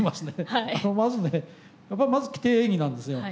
まずねやっぱりまず規定演技なんですよ。